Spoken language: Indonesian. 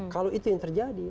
kalau itu yang terjadi